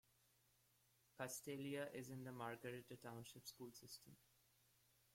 Castalia is in the Margaretta Township school system.